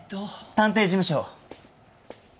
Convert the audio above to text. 探偵事務所。